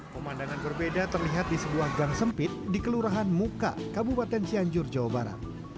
pemandangan berbeda terlihat di sebuah gang sempit di kelurahan muka kabupaten cianjur jawa barat